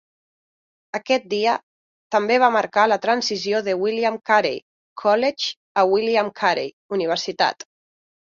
Aquest dia també va marcar la transició de William Carey "College" a William Carey "Universitat.